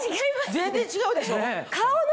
全然違うでしょ？